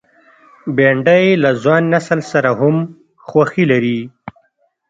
بېنډۍ له ځوان نسل سره هم خوښي لري